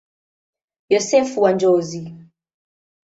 Yosefu wa Njozi.